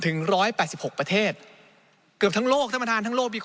ถึง๑๘๖ประเทศเกือบทั้งโลกท่านประธานทั้งโลกมีข้อ